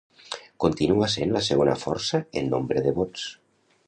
Continua sent la segona força en nombre de vots.